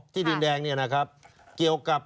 ดินแดงเนี่ยนะครับเกี่ยวกับ